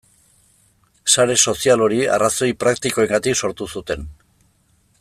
Sare sozial hori arrazoi praktikoengatik sortu zuten.